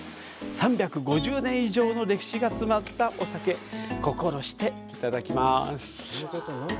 ３５０年以上の歴史が詰まったお酒、心していただきます。